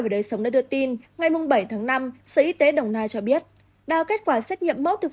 về đời sống đã đưa tin ngày bảy tháng năm sở y tế đồng nai cho biết đã kết quả xét nghiệm mẫu thực